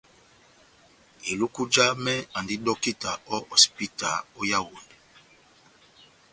Iluku jamɛ andi dɔkita ó hosipita ó Yaondɛ.